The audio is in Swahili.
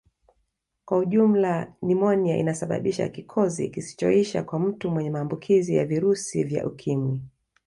Kwa ujumla nimonia inasababisha kikozi kisichoisha kwa mtu mwenye maambukizi ya virusi vya Ukimwi